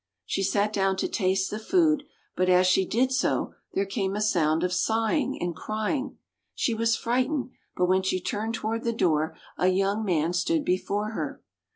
She sat down to taste the food, but as she did so, there came a sound of sighing and crying. She was frightened, but when she turned toward the door a young man stood before her.